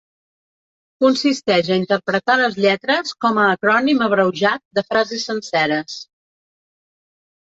Consisteix a interpretar les lletres com a acrònim abreujat de frases senceres.